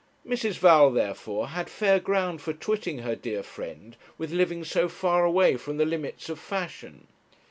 Mrs. Val, therefore, had fair ground for twitting her dear friend with living so far away from the limits of fashion.